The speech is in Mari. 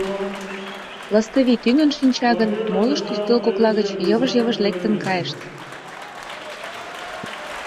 Лыстывий тӱҥын шинча гын, молышт ӱстел кокла гыч йывыж-йывыж лектын кайышт.